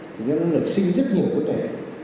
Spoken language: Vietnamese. thì nó nở sinh rất nhiều vấn đề